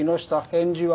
返事は？